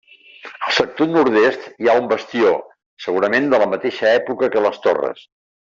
Al sector nord-est, hi ha un bastió, segurament de la mateixa època que les torres.